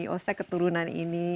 oh saya keturunan ini